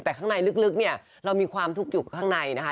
แต่ข้างในลึกเนี่ยเรามีความทุกข์อยู่ข้างในนะคะ